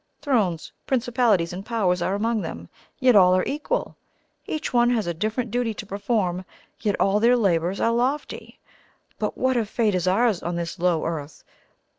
Thrones, principalities, and powers are among them, yet all are equal. Each one has a different duty to perform, yet all their labours are lofty. But what a fate is ours on this low earth!